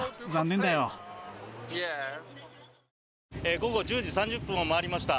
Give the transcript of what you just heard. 午後１０時３０分を回りました。